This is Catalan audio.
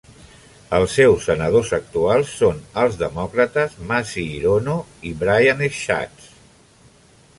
Els seus senadors actuals són els demòcrates Mazie Hirono i Brian Schatz.